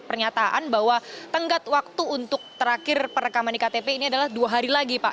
pernyataan bahwa tenggat waktu untuk terakhir perekaman iktp ini adalah dua hari lagi pak